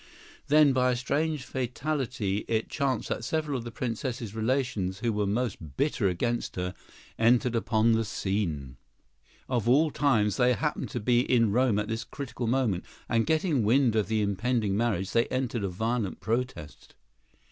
Then, by a strange fatality, it chanced that several of the Princess's relations, who were most bitter against her, entered upon the scene. Of all times, they happened to be in Rome at this critical moment, and, getting wind of the impending marriage, they entered a violent protest.